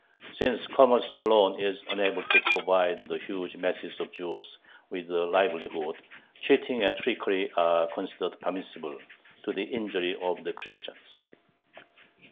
Since commerce alone is unable to provide the huge masses of Jews with a livelihood, cheating and trickery are considered permissible, to the injury of the Christians.